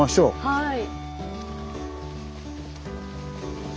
はい。